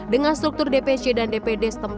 dengan struktur dpc dan dpd